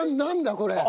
これ。